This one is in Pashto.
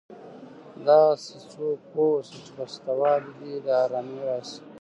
داسي څوک واوسه، چي په سته والي دي ارامي راسي.